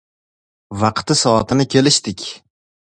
Vaqti-soatini kelishdik.